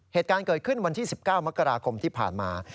เหตุการณ์เกิดขึ้นวันที่๑๙มกราคมที่ผ่านมา